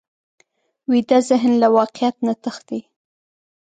ویده ذهن له واقعیت نه تښتي